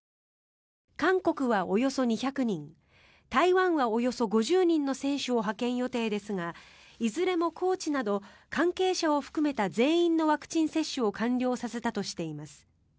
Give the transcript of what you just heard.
韓国はおよそ２００人台湾はおよそ５０人の選手を派遣予定ですがいずれもコーチなど関係者を含めた全員のワクチン接種を完了させたとしています。